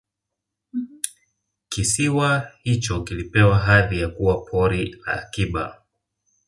kisiwa hicho kilipewa hadhi ya kuwa Pori la Akiba